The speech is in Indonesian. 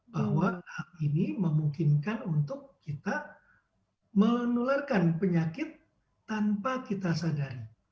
bahwa hal ini memungkinkan untuk kita menularkan penyakit tanpa kita sadari